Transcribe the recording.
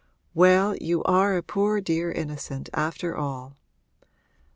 'Well, you are a poor dear innocent, after all.